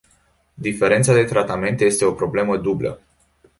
Diferența de tratament este o problemă dublă.